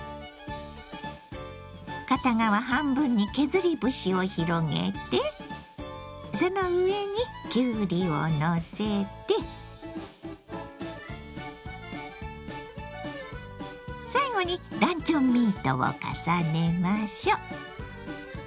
片側半分に削り節を広げてその上にきゅうりをのせて最後にランチョンミートを重ねましょう。